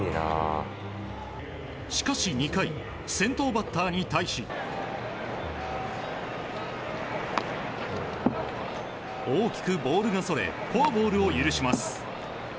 しかし、２回先頭バッターに対し大きくボールがそれフォアボールを許します。